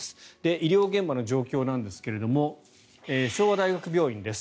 医療現場の状況なんですが昭和大学病院です。